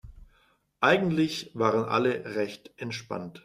Eigentlich waren alle recht entspannt.